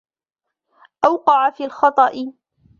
أوقع في الخطإ